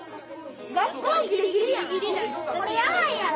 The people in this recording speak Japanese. これやばいやん！